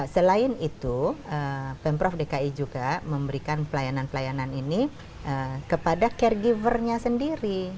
selain itu pemprov dki juga memberikan pelayanan pelayanan ini kepada caregivernya sendiri